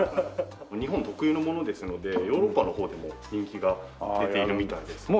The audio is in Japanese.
日本特有のものですのでヨーロッパのほうでも人気が出ているみたいです。